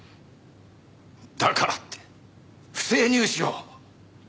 だからって不正入試を？